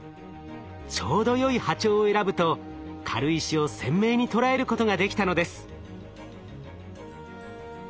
ちょうどよい波長を選ぶと軽石を鮮明に捉えることができたのです。